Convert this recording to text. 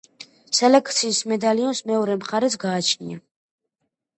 სელექციის მედალიონს მეორე მხარეც გააჩნია.